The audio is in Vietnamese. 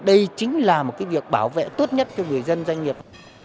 đây chính là một việc bảo vệ tốt nhất cho người dân doanh nghiệp